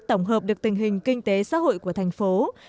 tổng hợp được tình hình kinh tế xã hội của thành phố